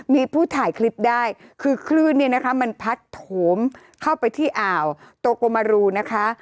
มีผู้ถ่ายคลิปได้คือคลื่นเนี่ยนะคะมันพัดโถมเข้าไปที่อ่าวโตโกมารูนะคะ